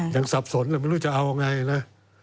ยังสับสนไม่รู้จะเอาไงนะ